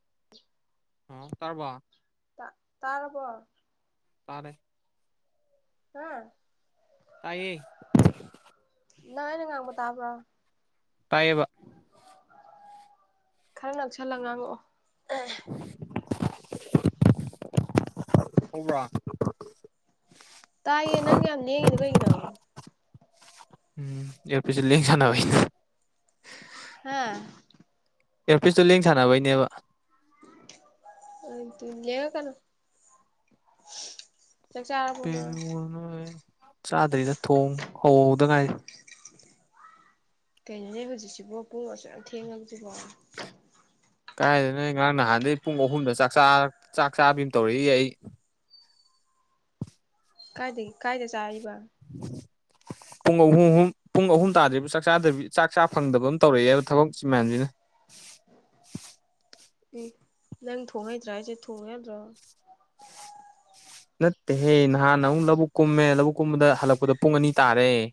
[inaudible] ꯑꯣ ꯇꯔꯔꯕ ꯇ ꯇꯥꯔꯔꯕꯣ ꯇꯥꯔꯦ ꯍꯥꯥ ꯇꯌꯦ ꯅꯅ ꯉꯉꯄꯠꯇꯥꯕ꯭ꯔꯣ ꯇꯥꯏꯌꯦꯕ ꯈꯔ ꯅꯛꯁꯜꯂꯒ ꯉꯥꯡꯉꯛꯑꯣ ꯭ꯔ ꯇꯥꯏꯌꯦ ꯅꯪ ꯌꯥꯝ ꯂꯦꯡꯉꯤꯗꯣ ꯀꯩꯒꯤꯅꯣ ꯎꯝ ꯌꯥꯔ ꯄ ꯂ ꯁꯅꯅ ꯍꯥꯥ ꯑꯦꯔꯄꯤꯁꯇꯣ ꯂꯦꯡ ꯁꯥꯟꯅꯕꯩꯅꯦꯕ ꯑ ꯇꯨ ꯂꯕ ꯀꯅꯥꯣ ꯄꯦꯟꯨ ꯅꯣꯏ ꯆꯥꯗ꯭ꯔꯤꯗ ꯊꯣꯡ ꯍꯧꯧꯗꯉꯥꯏ ꯀꯩꯅꯣꯅꯦ ꯍꯧꯖꯤꯛꯁꯤꯕꯣ ꯄꯨꯔꯛꯁꯨ ꯊꯦꯡꯉꯁꯤꯕꯣ [inaudible] ꯀꯥꯏꯗꯅ ꯉꯔꯥꯡ ꯅꯍꯥꯟꯗꯒꯤꯩ ꯄꯨꯡ ꯑꯍꯨꯝꯗ ꯆꯥꯛ ꯆꯥꯕꯤ ꯑꯃ ꯇꯧꯔꯛꯏ ꯑꯩ ꯀꯥꯏꯗꯒꯤ ꯀꯥꯏꯗ ꯆꯥꯕ [inaudible] ꯄꯨꯡ ꯑꯍꯨꯝ ꯑꯍꯨꯝ ꯄꯨꯡ ꯑꯍꯨꯝ ꯇꯥꯗ꯭ꯔꯤꯕ ꯆꯥꯛ ꯆꯥꯗꯕꯤ ꯆꯥꯛ ꯆꯥ ꯐꯪꯗꯕ ꯑꯃ ꯇꯧꯔꯛꯑꯦꯕ ꯊꯕꯛꯁꯤ ꯃꯌꯥꯝꯁꯤꯅ [inaudible] ꯎꯝ ꯅꯪ ꯊꯣꯡꯉꯩꯗ꯭ꯔꯥ ꯍꯥꯏꯁꯦ ꯊꯣꯡꯉ ꯌꯥꯗ꯭ꯔꯣ ꯅꯠꯇꯦꯍꯦ ꯅꯍꯥꯟ ꯑꯃꯨꯛ ꯂꯧꯕꯨꯛ ꯀꯨꯝꯃꯦ ꯂꯧꯕꯨꯛ ꯀꯨꯝꯕꯗ ꯍꯜꯂꯛꯄꯗ ꯄꯨꯡ ꯑꯅꯤ ꯇꯥꯔꯦ [inaudible]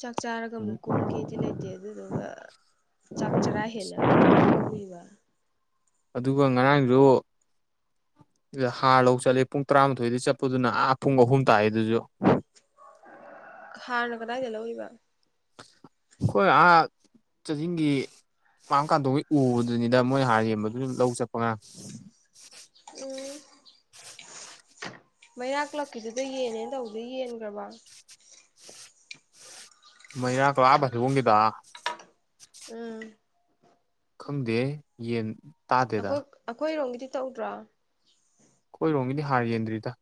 ꯆꯥꯛ ꯆꯥꯔꯒ ꯑꯃꯨꯛ ꯀꯨꯝꯒꯤꯗꯤ ꯂꯩꯇꯦ ꯑꯗꯨꯗꯨꯒ ꯆꯥꯛ ꯆꯔꯥ ꯍꯦꯜꯂꯒ ꯇꯨꯝ ꯀꯨꯝꯃꯤꯕ ꯑꯗꯨꯒ ꯉꯔꯥꯡꯗꯨ ꯗ ꯍꯥꯔ ꯂꯧ ꯆꯠꯂꯦ ꯄꯨꯡ ꯇꯔꯥꯃꯥꯊꯣꯏꯗ ꯆꯠꯄꯗꯨꯅ ꯑꯥ ꯄꯨꯡ ꯑꯍꯨꯝ ꯇꯥꯛꯑꯦ ꯑꯗꯨꯁꯨ ꯍꯥꯔꯅ ꯀꯗꯥꯏꯗ ꯂꯧ ꯑꯣꯏꯕ ꯑꯩꯈꯣꯏ ꯑꯍꯥꯛ ꯆꯗꯤꯤꯡꯒꯤ ꯄꯝꯀꯥꯟꯗꯩ ꯎꯕꯗꯨꯅꯤꯗ ꯃꯣꯏꯅ ꯍꯥꯟꯅ ꯌꯦꯡꯕꯗꯨ ꯑꯗꯨ ꯂꯧ ꯆꯠꯄ ꯉꯥꯡ ꯃꯩꯔꯥꯛꯂꯛꯀꯤꯗꯨꯗ ꯌꯦꯟꯅꯦ ꯇꯧꯗ ꯌꯦꯟꯈ꯭ꯔꯕ ꯃꯅꯥ ꯀ ꯂꯥꯕꯁꯤ ꯍꯣꯡꯒꯗ ꯎꯝ ꯈꯪꯗꯦ ꯌꯦꯟ ꯇꯥꯗꯦꯗ ꯑꯩꯈꯣꯏ ꯑꯩꯈꯣꯏꯔꯣꯝꯒꯤꯗꯤ ꯇꯧꯗ꯭ꯔꯣ ꯣꯡꯗꯤ ꯍꯥꯔꯖꯦꯟꯗꯔꯤꯗ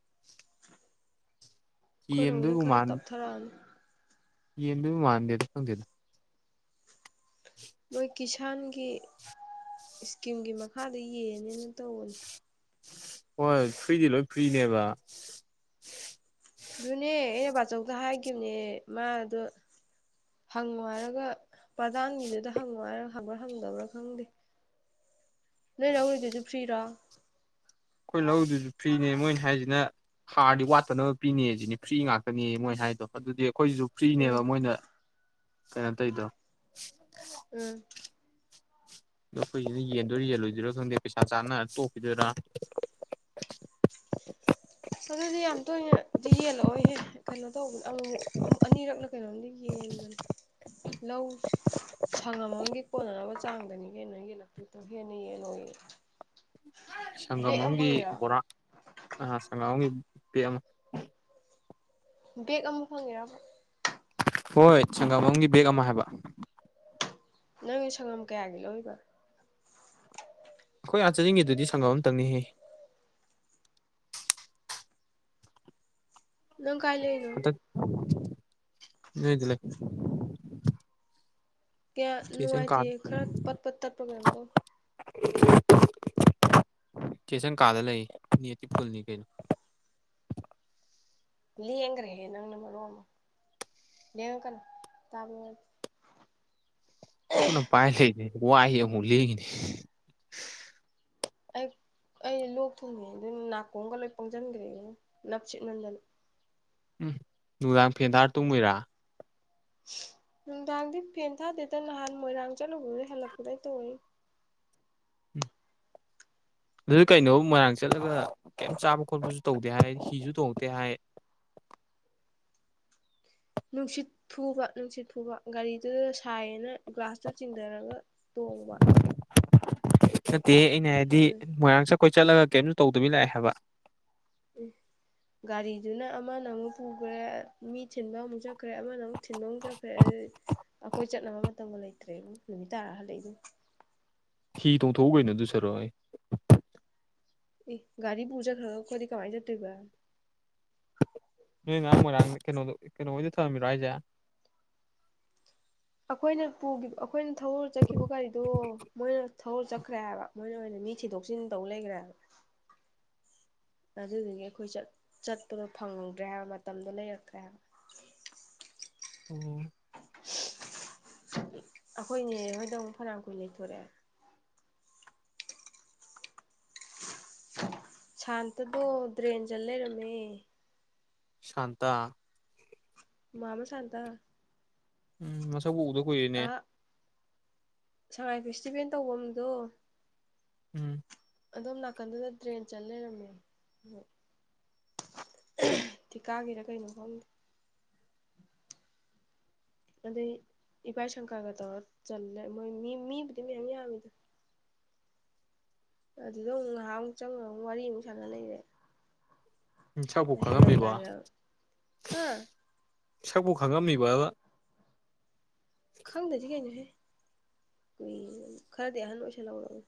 ꯈꯣꯏꯔꯣꯃꯤꯅ ꯈꯔ ꯇꯞꯊꯔꯛꯑꯅꯤ ꯌꯦ ꯑꯗꯨ ꯃꯥꯟꯗꯦꯗ ꯐꯪꯗꯗ ꯃꯣꯏ ꯀꯤꯁꯥꯟ ꯀ ꯏꯁꯀꯤꯝꯒꯤ ꯃꯈꯥꯗ ꯌꯦꯡꯅꯦꯅ ꯇꯧꯕꯅꯦ ꯍꯣꯏ ꯐ꯭ꯔꯤꯗꯤ ꯂꯣꯏ ꯐ꯭ꯔꯤꯅꯦꯕ ꯑꯗꯨꯅꯦ ꯑꯩꯅ ꯕꯥꯆꯧꯗ ꯍꯥꯏꯈꯤꯕꯅꯦ ꯃꯥꯗꯣ ꯍꯪꯉꯣ ꯍꯥꯏꯔꯒ ꯄ꯭ꯔꯗꯥꯥꯟꯅꯤꯗꯨꯗ ꯍꯪꯉꯨ ꯍꯥꯏꯔꯒ ꯍꯪꯕ꯭ꯔꯥ ꯍꯪꯗꯕ꯭ꯔꯥ ꯈꯪꯗꯦ ꯅ ꯅꯧꯔꯤꯗꯁꯨ ꯐ꯭ꯔꯤꯔꯣ ꯑꯩꯈꯣꯏ ꯂꯧꯗꯨꯁꯨ ꯐ꯭ꯔꯤꯅꯦ ꯃꯣꯏꯅꯤ ꯍꯥꯏꯁꯤꯅ ꯍꯥꯔꯗꯤ ꯋꯥꯠꯇꯅꯕ ꯄꯤꯅꯦ ꯁꯤꯅꯤ ꯐ꯭ꯔꯤ ꯉꯥꯛꯇꯅꯦ ꯃꯣꯏ ꯍꯥꯏꯗꯣ ꯑꯗꯨꯗꯤ ꯑꯩꯈꯣꯏꯁꯤꯁꯨ ꯎꯝ ꯐ꯭ꯔꯤꯅꯦꯕ ꯃꯣꯏꯅ ꯀꯩꯅꯣ ꯇꯧꯗꯣ ꯎꯝ ꯑꯗꯣ ꯑꯩꯈꯣꯏꯁꯤꯅ ꯌꯦꯟꯗꯣꯏꯔꯤ ꯌꯦꯜꯂꯣꯏꯗꯣꯏꯔꯣ ꯈꯪꯗꯦ ꯄꯩꯁꯥ ꯆꯥꯅ ꯇꯣꯛꯈꯤꯗꯣꯏꯔꯥ [inaudible] ꯑꯗꯨꯗꯤ ꯌꯥꯝ ꯇꯣꯏꯅꯗꯤ ꯌꯦꯜꯂꯛꯑꯣꯍꯦ ꯀꯩꯅꯣ ꯇꯧꯕ ꯑꯃꯛ ꯑꯃꯨꯛ ꯑꯅꯤꯔꯛꯅ ꯀꯩꯅꯣꯝꯗꯤ ꯌꯦꯡ ꯌꯦꯟꯕꯅꯤ ꯂꯧ ꯁꯪꯉꯝꯃꯝꯒꯤ ꯀꯣꯟꯅꯅꯕ ꯆꯥꯡꯗꯅꯤ ꯀꯩꯅꯣ ꯌꯦꯜꯂꯛꯇꯨ ꯑꯗꯨ ꯐꯤ ꯑꯅꯤ ꯌꯦ ꯅꯅꯨꯡ [inaudible] ꯁꯪꯒꯝ ꯑꯃꯒꯤꯝ ꯕꯣꯔꯥ ꯁꯪꯒꯝ ꯑꯃꯒꯤꯝ ꯄꯦꯛ ꯑꯃ ꯕꯦꯛ ꯑꯃ ꯐꯪꯉꯦꯔꯕ ꯍꯣꯏ ꯁꯪꯒꯥꯝꯕꯝꯒꯤ ꯕꯦꯦꯛ ꯑꯃ ꯍꯥꯏꯕ ꯅꯪꯒꯤ ꯁꯪꯉꯝ ꯀꯌꯥꯒꯤ ꯂꯧꯕ ꯑꯩꯈꯣꯏ ꯑꯥ ꯆꯅꯤꯡꯉꯦꯗꯨꯗꯤ ꯁꯪꯒꯝ ꯑꯃꯇꯪꯅꯤꯍꯦ ꯅꯪ ꯀꯥꯏ ꯂꯩꯔꯤꯅꯣ ꯍꯇ ꯌꯦ ꯀꯌꯥ ꯅꯨꯡꯉꯥꯏꯇ ꯈꯔ ꯄꯠ ꯄꯠ ꯇꯠꯄꯒꯗꯧ ꯑꯦ ꯆꯦꯁꯪ ꯀꯥꯗ ꯂꯩ ꯇꯤ ꯄꯨꯜꯅꯤ ꯀꯩꯅꯣ ꯂꯌꯦꯒ꯭ꯔꯦꯦ ꯅꯪꯅ ꯃꯑꯣꯃ ꯅꯦꯡꯎꯀ ꯇꯥ ꯑꯩꯣꯏꯅ ꯄꯥꯏ ꯂꯩꯅꯤ ꯋꯥꯏ ꯑꯃꯨꯛ ꯂꯩꯅꯤ ꯑꯩ ꯑꯩ ꯂꯣꯛ ꯊꯨꯡꯉꯦ ꯑꯗꯨ ꯅꯥꯀꯣꯡꯒ ꯂꯣꯏ ꯄꯪꯁꯤꯟꯈ꯭ꯔꯦꯅ ꯅꯞꯁꯤꯠ ꯅꯟꯗꯟ ꯎꯝ ꯅꯨꯡꯗꯥꯡ ꯐꯦꯟꯗꯥꯔ ꯇꯣꯡꯉꯣꯏꯔꯥ [inaudible] ꯅꯨꯡꯗꯥꯡꯗꯤ ꯐꯦꯟ ꯊꯥꯗꯦꯗ ꯅꯍꯥꯟ ꯃꯣꯏꯔꯥꯡ ꯆꯠꯂꯨꯕꯩ ꯍꯜꯂꯛꯄꯗꯏ ꯇꯧꯤ ꯑꯗꯨꯗ ꯀꯩꯅꯣ ꯃꯣꯏꯔꯥꯡ ꯆꯠꯂꯒ ꯀꯩꯝ ꯆꯥꯕ ꯈꯣꯠꯄꯁꯨ ꯇꯧꯗꯦ ꯍꯥꯏ ꯍꯤꯁꯨ ꯇꯣꯡꯇꯦ ꯍꯥꯏ [inaudible] ꯅꯨꯡꯁꯤꯠ ꯊꯨꯕ ꯅꯨꯡꯁꯤꯠ ꯊꯨꯕ ꯒꯥꯔꯤꯗꯨꯗ ꯁꯥꯏꯌꯦꯅ ꯒ꯭ꯂꯥꯁꯇꯨ ꯆꯤꯡꯊꯔꯒ ꯇꯣꯡꯕ ꯗ ꯑꯩꯅ ꯍꯥꯏꯗꯤ ꯑꯗꯨ ꯃꯣꯏꯔꯥꯡ ꯆꯠ ꯑꯩꯈꯣꯏ ꯆꯠꯂꯒ ꯀꯦꯞꯁꯨ ꯇꯧꯗꯕꯤ ꯂꯥꯛꯑꯦ ꯍꯥꯏꯕ ꯒꯥꯔꯤꯗꯨꯅ ꯑꯃꯅ ꯑꯃꯨꯛ ꯄꯨꯈ꯭ꯔꯦ ꯃꯤ ꯊꯤꯟꯕ ꯑꯃꯨꯛ ꯆ ꯆꯈ꯭ꯔꯦ ꯑꯃꯗ ꯑꯃꯨꯛ ꯊꯤꯟꯗꯣꯡꯖꯈ꯭ꯔꯦ ꯑꯗꯨ ꯑꯩꯈꯣꯏ ꯆꯠꯅꯕ ꯃꯇꯝ ꯇꯕ ꯂꯩꯇ꯭ꯔꯦ ꯅꯨꯃꯤꯠ ꯇꯥꯔ ꯍꯜꯂꯛꯏꯗ ꯍꯤꯇꯣꯡ ꯊꯣꯛꯎꯒ ꯅ ꯑꯗꯨꯁꯔ ꯑꯦ ꯒꯥꯔꯤ ꯄꯨꯖꯥ ꯀꯗꯤ ꯀꯃ ꯆꯠꯇꯒ ꯅ ꯉꯥꯡ ꯉꯣꯏꯔꯥꯡ ꯀꯩꯅꯣꯗ ꯀꯩꯅꯣꯗꯤ ꯊꯔꯝꯃꯤꯔꯣ ꯍꯥꯏꯁꯦ ꯑꯩꯈꯣꯏꯅ ꯄꯨꯈꯤꯕ ꯑꯩꯈꯣꯏꯅ ꯊꯧꯔ ꯆꯠꯈꯤꯕ ꯒꯥꯔꯤꯗꯣ ꯃꯣꯏꯅ ꯊꯧ ꯆꯠꯈ꯭ꯔꯦ ꯍꯥꯏꯕ ꯃꯣꯏꯅ ꯑꯣꯏꯅ ꯃꯤ ꯊꯤꯗꯣꯛ ꯁꯤꯤꯟꯟꯗꯧ ꯂꯩꯈ꯭ꯔꯦ ꯍꯥꯏꯕ ꯑꯗꯨꯗꯒꯤ ꯑꯩꯈꯣꯏ ꯆꯠꯄꯗꯣ ꯐꯪꯍꯧꯗ꯭ꯔꯦ ꯍꯥꯏꯕ ꯃꯇꯝꯗꯣ ꯂꯩꯔꯛꯇ꯭ꯔꯦ ꯍꯥꯏꯕ ꯑꯣꯝ ꯑꯩꯈꯣꯏꯅꯦ ꯍꯣꯏꯗꯪ ꯑꯃꯨꯛ ꯐꯅꯥ ꯀꯨꯏ ꯂꯩꯊꯣꯔꯛꯑꯦ ꯁꯥꯟꯇꯗꯣ ꯗ꯭ꯔꯦꯟ ꯆ ꯂꯩꯔꯝꯃꯦ ꯁꯥꯟꯇꯥ ꯃꯃꯥ ꯁꯥꯟꯗ ꯎꯝ ꯃꯁꯛꯕꯨ ꯎꯗ ꯀꯨꯏꯔꯤꯅꯦ ꯁꯉꯥꯏ ꯐꯦꯁꯇꯤꯚꯦꯜ ꯇꯧꯕꯗꯣ ꯎꯝ ꯑꯗꯣꯝ ꯅꯥꯀꯟꯗꯨꯗ ꯇ꯭ꯔꯦꯟ ꯆꯠ ꯂꯩꯔꯝꯃꯦ ꯊꯤ ꯀꯥꯒꯦꯔꯥ ꯀꯩꯅꯣ ꯈꯪꯗꯦ ꯑꯗ ꯏꯚꯥꯏ ꯁꯪꯀꯥꯒ ꯇ ꯆꯜꯂꯦꯣꯏ ꯃꯤ ꯃꯤꯗꯤꯕꯗ ꯑꯗꯨꯗ ꯑꯃꯨꯛ ꯉꯥꯏꯍꯥꯛꯃꯨꯛ ꯆꯪꯉꯒ ꯑꯃꯨꯛ ꯋꯥꯔꯤꯃꯨꯛ ꯁꯥꯟꯅ ꯂꯩꯔꯦ ꯏ ꯆꯥꯄꯣꯛ ꯈꯥꯃꯦꯕ ꯍꯜꯂꯝꯗꯥꯏꯗ ꯍꯥ ꯁꯛꯄꯨ ꯈꯪꯉꯝꯃꯤꯕꯗ ꯈꯪꯗꯁꯤ ꯀꯩꯅꯣꯍꯦ ꯀꯨꯏ ꯈꯔꯗꯤ ꯑꯍꯟ ꯑꯣꯏꯁꯜꯍꯧꯔꯎ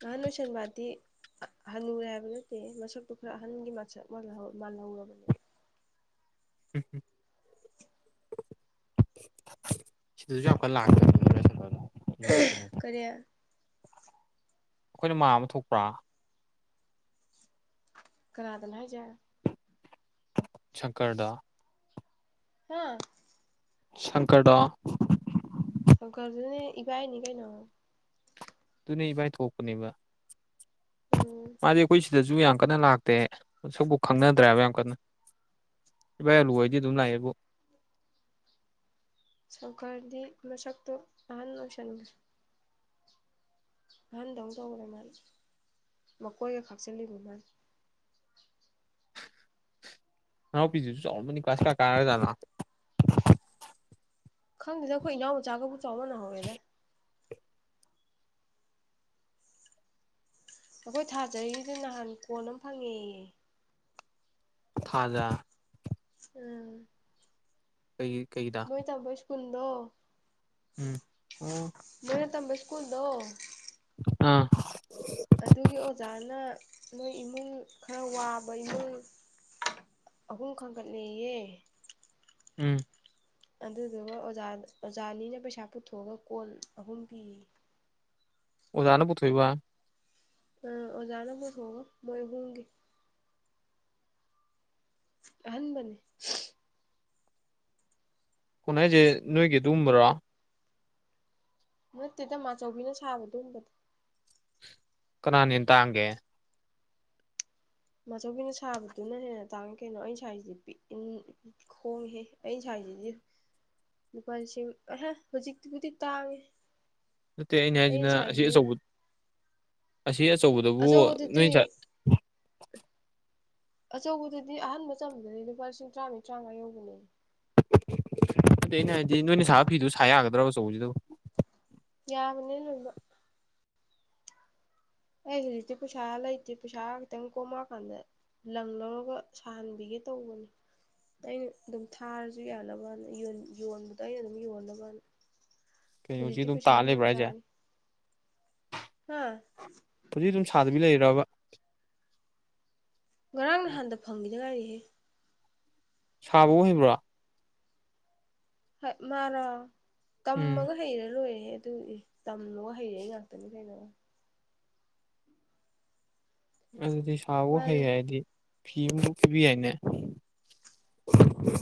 ꯅꯅꯨ ꯆꯟ ꯄꯇ ꯍꯜꯂꯨꯔꯦ ꯍꯥꯏꯕ ꯅꯠꯇꯦ ꯃꯁꯛꯇꯨ ꯈꯔ ꯑꯍꯟꯒꯤ ꯃꯁꯛ ꯃꯥꯜꯍꯧꯔꯕꯅꯦ ꯎꯝ ꯎꯝ ꯁꯤꯗꯁꯨ ꯌꯥꯝꯈ ꯂꯥꯛ ꯀꯔꯤꯦ ꯑꯩꯈꯣꯏꯅ ꯃꯥ ꯑꯃ ꯊꯣꯛꯄ꯭ꯔꯥ ꯀꯥꯗꯅ ꯍꯥꯏꯖ ꯆꯪꯀꯔꯗꯥ ꯍꯥꯥ ꯁꯪꯀꯔꯗꯣ ꯁꯒꯔꯗꯅꯦ ꯏꯕꯥꯏꯅꯤ ꯀꯥꯏꯩꯅꯉ ꯑꯗꯨꯅꯦ ꯏꯕꯥꯏ ꯊꯣꯛꯄꯅꯦꯕ ꯎꯝ ꯃꯥꯗꯤ ꯑꯩꯈꯣꯏ ꯁꯤꯗꯁꯨ ꯌꯥꯝ ꯀꯟꯅ ꯂꯥꯛꯇꯦ ꯃꯁꯛꯄꯥꯎ ꯈꯪꯅꯗ꯭ꯔꯦꯕ ꯌꯥꯝ ꯀꯟꯅ ꯏꯕꯥ ꯑꯂꯨ ꯑꯣꯏꯗꯤ ꯑꯗꯨꯝ ꯂꯥꯛꯌꯦꯦꯕꯨ ꯁꯪꯀꯔꯗꯤ ꯃꯁꯛꯇꯣ ꯑꯍꯟ ꯑꯣꯏꯁꯟꯂꯨꯒꯦ ꯅꯍꯟꯗꯧ ꯇꯈ꯭ꯔꯦ ꯃꯥꯜ ꯃꯀꯣꯏꯒ ꯈꯥꯛꯆꯤꯜꯂꯤꯕ ꯃꯥꯜ ꯑ ꯄꯤꯖꯤꯁꯨ ꯆꯥꯎꯅꯤ ꯀꯥꯁ ꯀꯥꯖꯅ ꯈꯪꯗꯦꯗ ꯑꯩꯈꯣꯏ ꯏꯅꯥꯎ ꯃꯆꯥꯒꯕꯨ ꯆꯥꯎꯕ ꯅꯍꯧꯋꯦꯗ ꯑꯩꯈꯣꯏ ꯊꯥꯖꯔꯤꯁꯤ ꯅꯍꯥꯟ ꯀꯣꯟ ꯑꯃ ꯐꯪꯉꯦꯌꯦ ꯊꯖꯥ ꯎꯝ ꯀꯩ ꯀꯩꯗ ꯀꯟꯗ ꯎꯝ ꯑꯣ ꯇꯝꯕ ꯁ꯭ꯀꯨꯜꯗꯣ ꯑꯥ ꯑꯗꯨꯒꯤ ꯑꯣꯖꯥꯅ ꯅꯣꯏ ꯏꯃꯨꯡ ꯈꯔ ꯋꯥꯕ ꯏꯃꯨꯡ ꯑꯍꯨꯝ ꯈꯥꯡꯒꯠꯂꯌꯦ ꯎꯝ ꯑꯗꯨꯗꯨꯒ ꯑꯣꯖꯥ ꯑꯣꯖꯥꯅꯤꯅ ꯄꯩꯁꯥ ꯄꯨꯊꯣꯛꯑꯒ ꯀꯣꯜ ꯑꯍꯨꯝ ꯄꯤꯌꯦ ꯑꯣꯖꯅ ꯄꯨꯊꯣꯛꯕ ꯑ ꯑꯣꯖꯥꯅꯕꯨ ꯍꯒ ꯃꯣꯏ ꯍꯣꯡꯒꯦ ꯑꯟꯕꯅꯤ ꯀꯣꯟꯥꯏꯖꯦ ꯅꯣꯏ ꯀ ꯑꯗꯨ꯭ꯔꯥ ꯅꯠꯇꯦꯗ ꯑꯆꯧꯕꯤꯅ ꯁꯥꯕꯗꯣꯕꯗ ꯀꯅꯥꯅꯤꯟ ꯇꯥꯡꯒꯦ ꯃꯆꯧꯕꯤꯅ ꯁꯥꯕꯗꯨꯅ ꯍꯦꯟꯅ ꯇꯥꯡꯉ ꯀꯩꯅꯣ ꯑꯩ ꯏꯁꯋꯥꯏꯁꯦ ꯈꯣꯡꯉꯦ ꯑꯩ ꯏꯁ ꯂꯨꯄꯥ ꯂꯤꯁꯤꯡ ꯑꯍ ꯍꯧꯖꯤꯛꯇꯤꯕꯨꯗꯤ ꯇꯥꯡꯉꯦ ꯅꯠꯇꯦ ꯑꯩꯅ ꯍꯥꯏꯁꯤꯅ ꯑꯁꯤ ꯑꯆꯧꯕ ꯁꯤ ꯑꯆꯧꯕꯗꯨꯕꯨ ꯑꯆꯧꯕꯗꯨꯗꯤ ꯅꯣꯏꯁꯠ ꯑꯆꯧꯕꯗꯨꯗꯤ ꯑꯍꯟꯥꯟꯕ ꯆꯝꯕꯗꯗꯤ ꯂꯨꯄꯥ ꯂꯤꯁꯤꯡ ꯇꯔꯥꯃ ꯇꯔꯥꯃꯉꯥ ꯌꯧꯕꯅꯦ ꯑꯗ ꯑꯩꯅ ꯍꯥꯏꯗꯤ ꯅꯣꯏꯅ ꯁꯥꯕ ꯐꯤꯗꯨꯣ ꯁꯥ ꯌꯥꯒꯗ꯭ꯔꯕ ꯑ ꯆꯆꯧꯁꯤꯗ ꯌꯥꯕꯅꯤꯅꯅ ꯑꯩ ꯍꯧꯖꯤꯛꯇꯤ ꯄꯨꯩꯁꯥ ꯂꯩꯇꯦ ꯄꯩꯁꯥꯔ ꯈꯤꯇꯪ ꯀꯣꯝꯃꯛꯀꯥꯟꯗ ꯂꯪ ꯂꯧꯔꯒ ꯁꯥꯍꯟꯕꯤꯒꯦ ꯇꯧꯕꯅꯤ ꯑꯩꯅ ꯑꯗꯨꯝ ꯊꯥꯔꯁꯨ ꯌꯥꯅꯕꯅ ꯌꯣꯟꯕꯗ ꯑꯩꯅ ꯑꯗꯨꯝ ꯌꯣꯟꯅꯕꯅ ꯀꯩꯅꯣꯁꯤ ꯍꯧꯖꯤꯛꯇꯤ ꯑꯗꯨꯝ ꯄꯩꯁꯥ ꯇꯥꯑ ꯐꯔꯛ ꯂꯩꯕ꯭ꯔꯥ ꯍꯥꯏꯁꯦ ꯇꯥꯔꯤ ꯍꯥ ꯍꯧꯖꯤꯛ ꯑꯗꯨꯝ ꯑꯗꯃꯤ ꯂꯩꯔꯕ ꯉꯔꯥꯡ ꯅꯍꯥꯟꯗ ꯐꯪꯈꯤꯗ ꯒꯥꯔꯤꯁꯦ ꯁꯥꯕ ꯑꯣꯏꯍꯟꯕ꯭ꯔꯥ ꯃꯥꯔꯥ ꯎꯝ ꯇꯃꯒ ꯍꯩꯔ ꯂꯣꯏꯦ ꯑꯗꯨ ꯏ ꯇꯝꯂꯣ ꯍꯩꯔ ꯑꯩ ꯉꯥꯛꯇꯅꯤ ꯀꯩꯅꯣ ꯑꯗꯨꯗꯤ ꯁꯥꯕ ꯍꯩ ꯃꯥꯗꯤ ꯍꯥꯏ ꯍꯥꯏꯗꯤ ꯐꯤ ꯑꯃꯕꯨ ꯄꯤꯕꯤ ꯍꯥꯏꯏꯅꯦ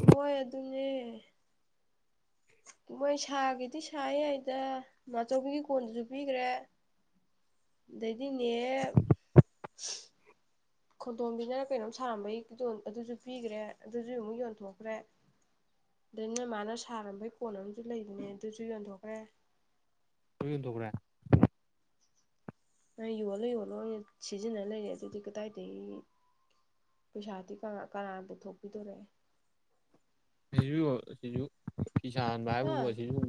ꯍꯣꯏ ꯑꯗꯨ [unintelligible] ꯃꯣꯏ ꯁꯥꯒꯤꯗꯤ ꯁꯥ ꯌꯥꯏꯗ ꯃꯥꯆꯧꯕꯤꯒꯤ ꯀꯣꯟꯗꯨꯁꯨ ꯄꯤꯈ꯭ꯔꯦ ꯗꯩꯗꯤꯅꯦ ꯈꯣꯟꯗꯣꯝꯕꯤꯅ ꯀꯩꯅꯣꯝ ꯁꯥꯝꯕꯩ ꯑꯗꯨꯁꯨ ꯄꯤꯈ꯭ꯔꯦ ꯑꯗꯨꯁꯨ ꯑꯃꯨꯛ ꯌꯣꯟꯊꯣꯛꯈ꯭ꯔꯦ ꯑꯩꯅ ꯃꯥꯅ ꯁꯥꯔꯝꯕꯩ ꯀꯣꯟ ꯑꯃꯁꯨ ꯂꯩꯕꯅꯦ ꯑꯗꯨꯁꯨ ꯌꯣꯟꯊꯣꯛꯈ꯭ꯔꯦ ꯇꯟ ꯇꯈ꯭ꯔꯦ ꯅ ꯌꯣꯜꯂꯣ ꯌꯣꯜꯂꯣꯏ ꯁꯤꯖꯤꯟꯅ ꯂꯩꯔꯦ ꯑꯗꯨꯗꯤ ꯀꯗꯥꯏꯗꯒꯤ ꯄꯩꯁꯥꯗꯤ ꯀꯅꯥ ꯄꯨꯊꯣꯛꯄꯤꯗꯣꯔꯦ ꯁꯤꯁꯨ ꯁꯤꯁꯨ ꯀꯤꯁꯥꯟ ꯍꯥ ꯍꯥꯏꯕꯕꯨ ꯑꯁꯤꯁꯨ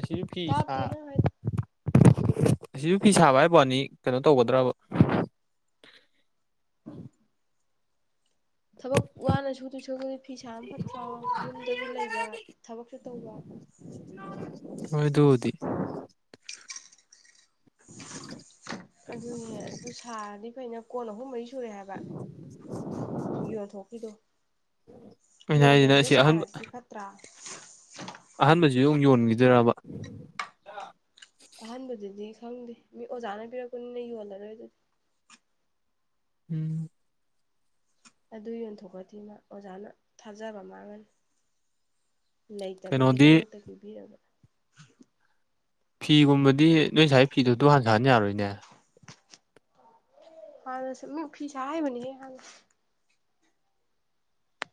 ꯑꯁꯤꯁꯨ ꯐꯤ ꯁꯥ ꯇꯥꯞꯇꯦ ꯅꯪ ꯍꯥꯏꯗꯣ ꯁꯤꯁꯨ ꯐꯤ ꯁꯥꯕ ꯍꯥꯏꯕꯅꯤ ꯀꯩꯅꯣ ꯇꯧꯒꯗ꯭ꯔꯕ ꯎꯝ ꯊꯕꯛ ꯋꯥꯅ ꯁꯨꯗꯣꯏ ꯁꯨꯗꯗꯤ ꯐꯤꯁꯥ ꯑꯃ ꯐꯠꯇ꯭ꯔꯥ ꯌꯨꯝꯗꯁꯨ ꯂꯩꯕ ꯊꯕꯛꯁꯨ ꯇꯧꯕ ꯍꯣꯏꯗ ꯍꯧꯗꯤ ꯑꯗꯨꯅꯦ ꯑꯗꯨ ꯁꯥꯔꯗꯤ ꯐꯩꯅ ꯀꯣꯟ ꯑꯍꯨꯝ ꯃꯔꯤ ꯁꯨꯔꯦ ꯍꯥꯏꯕ ꯌꯣꯟꯊꯣꯛꯈꯤꯗꯣ ꯑꯩꯅ ꯍꯥꯏꯁꯤꯅ ꯌꯣꯟꯗꯕꯤꯗ ꯑꯁꯤ ꯑꯍꯟꯕ ꯁꯥꯔꯗꯤ ꯐꯠꯇ꯭ꯔꯥ ꯌꯦ ꯌꯨꯝ ꯌꯣꯟꯈꯤꯗꯕ ꯑꯍꯥꯟꯕꯗꯨꯗꯤ ꯈꯪꯗꯦ ꯃꯤ ꯑꯣꯖꯥꯅ ꯄꯤꯔꯛꯄꯅꯤꯅ ꯌꯣꯜꯂꯔꯣꯏ ꯑꯗꯨꯗꯤ ꯎꯝ ꯑꯗꯨ ꯌꯣꯟꯊꯣꯛꯀꯗꯤꯣꯏꯃ ꯑꯣꯖꯥꯅ ꯊꯥꯖꯕ ꯃꯥꯡꯒꯅꯤ ꯀꯩꯅꯣꯗꯤ ꯂꯩꯇꯕꯒꯤꯗꯃꯛꯇ ꯄꯤꯕꯤꯔꯕꯥ ꯐꯤꯒꯨꯝꯕꯗꯤ ꯅꯣꯏ ꯉꯁꯥꯏ ꯐꯤꯗꯨ ꯑꯗꯨ ꯍꯥꯟꯖꯍꯟ ꯌꯥꯔꯣꯏꯅꯦ ꯍꯗ ꯁꯃꯤ ꯑꯣꯤ ꯆꯥꯦꯕꯅꯤ ꯍꯅ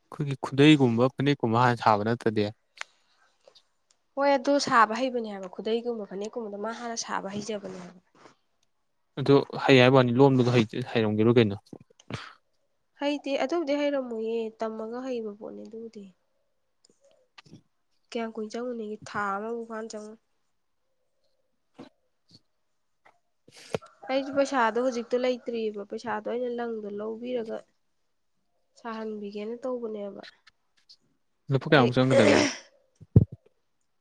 ꯑꯩꯈꯣꯏꯒꯤ ꯈꯨꯗꯩꯒꯨꯝꯕ ꯈꯨꯅꯦꯛꯀꯨꯝꯕ ꯍꯥꯟꯅ ꯁꯥꯕ ꯅꯠꯇꯗꯦ ꯍꯣꯏ ꯑꯗꯨ ꯁꯥꯕ ꯍꯩꯕꯅꯦ ꯍꯥꯏꯕ ꯈꯨꯗꯩꯒꯨꯝꯕ ꯐꯅꯦꯛꯀꯨꯝꯕꯗ ꯃꯥ ꯍꯥꯟꯅ ꯁꯥꯕ ꯍꯩꯖꯕꯅꯦ ꯍꯥꯏꯕ ꯑꯗꯨ ꯍꯩ ꯍꯥꯏ ꯋꯥꯅꯤ ꯂꯣꯝꯕꯗꯣ ꯍꯩꯔꯝꯒꯦꯔꯣ ꯀꯩꯅꯣ ꯍꯩꯇ ꯑꯗꯨꯕꯨꯗꯤ ꯍꯩꯔꯝꯃꯣꯌꯦ ꯇꯝꯃꯒ ꯍꯩꯕ ꯄꯣꯠꯅꯤ ꯑꯗꯨꯕꯨꯗꯤ [inaudible] ꯀꯌꯥꯝ ꯀꯨꯏꯅ ꯆꯪꯉꯨꯅꯤꯒꯤ ꯊꯥ ꯑꯃꯐꯥꯎ ꯐꯥꯟ ꯆꯪꯉꯨ ꯑꯩꯁꯨ ꯄꯩꯁꯥꯗꯣ ꯍꯧꯖꯤꯛꯇꯣ ꯂꯩꯇ꯭ꯑꯕ ꯄꯩꯁꯥꯗꯣ ꯑꯩꯅ ꯂꯪꯗ ꯂꯧꯕꯤꯔꯒ ꯁꯥꯍꯟꯕꯤꯒꯦꯅ ꯇꯧꯕꯅꯦꯕ ꯂ ꯄꯨ ꯀꯌꯥ ꯑꯩ ꯑꯃꯨꯛ ꯆꯪꯉꯗꯒ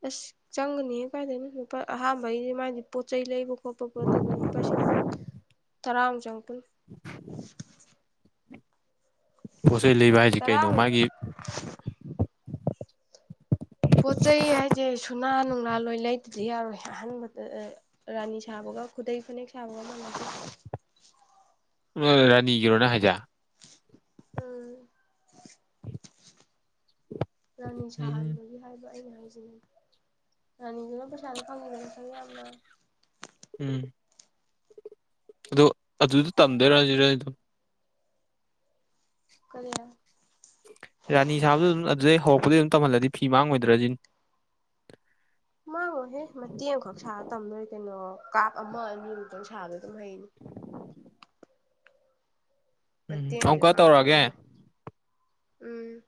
ꯑꯁ ꯆꯪꯒꯅꯤ ꯀꯥꯏꯗꯅ ꯑꯍꯥꯟꯕꯩꯗꯤ ꯃꯥꯗꯤ ꯄꯣꯠ ꯆꯩ ꯂꯩꯕ ꯈꯣꯠꯄ ꯈꯣꯠꯇꯗꯄꯥꯁꯤ ꯇꯔꯥ ꯑꯃꯨ ꯆꯪꯄ ꯁ ꯂꯩꯕ ꯍꯥꯏꯁꯤ ꯀꯩꯅꯣ ꯇꯔꯥꯃꯨꯛ ꯃꯥꯒꯤ ꯄꯣꯠ ꯆꯩꯩ ꯍꯥꯏꯁꯦ ꯁꯨꯅꯥ ꯅꯨꯡꯂꯥ ꯂꯣꯏ ꯂꯩꯇ꯭ꯔꯗꯤ ꯌꯥꯔꯣꯏ ꯑꯍꯥꯟꯕꯗ ꯔꯥꯅꯤ ꯁꯥꯕ ꯈꯨꯨꯗ ꯐ ꯁꯒꯣ ꯃ ꯔꯥꯅꯤꯒꯤꯔꯣꯅ ꯍꯥꯏꯖ ꯎꯝ ꯔꯥꯅꯤ ꯎꯝ ꯁꯍꯥꯟꯕꯒꯤ ꯍꯥꯏꯕ ꯑꯩꯅ ꯌꯥꯅꯤꯗꯨꯅ ꯄꯩꯁꯥꯅ ꯐꯪꯉꯔꯁꯪꯦ ꯌꯥꯝꯅ ꯎꯝ ꯑꯗꯣ ꯑꯗꯨꯗꯣ ꯇꯝꯗꯣꯏꯔꯥꯁꯤꯔ ꯑꯗꯨꯝ ꯀꯔꯤ ꯔꯥꯅꯤ ꯁꯥꯕꯗ ꯑꯗꯨꯝ ꯑꯗꯨꯗꯩ ꯍꯧꯔꯛꯄꯗꯒꯤꯩ ꯑꯗꯨꯝ ꯇꯝꯍꯜꯂꯗꯤ ꯐꯤ ꯃꯥꯡꯉꯣꯏꯗ꯭ꯔꯁꯤꯅꯤ ꯃꯥꯡꯉꯣꯍꯦ ꯃꯇꯦꯡ ꯑꯃꯈꯛ ꯁꯥꯕ ꯇꯝꯗꯣꯏ ꯀꯩꯅꯣ ꯀꯥꯞ ꯑꯃ ꯑꯅꯤꯃꯨꯛꯇꯪ ꯁꯥꯕ [unintelligible] ꯎꯝ ꯃꯇꯦꯛ ꯑꯃꯗꯤ ꯑꯃꯨꯀ ꯃꯥꯡꯊꯣꯛꯑ ꯇꯧꯔꯛꯑꯒꯦ ꯂꯣꯏꯔꯦ ꯎꯝ